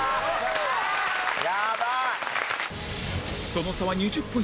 その差は２０ポイント